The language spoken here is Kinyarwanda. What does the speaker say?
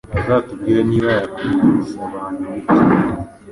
azatubwire niba ya yakwigisa abantu imiti